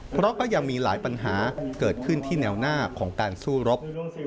เพราะก็ยังมีหลายปัญหาเกิดขึ้นที่แนวหน้าของการสู้รบ